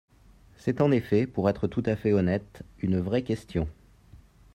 C’est en effet, pour être tout à fait honnête, une vraie question.